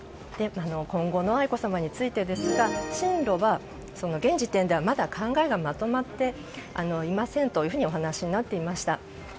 今後の愛子さまについてですが進路は現時点ではまだ考えがまとまっていませんというふうにお話しになっていました。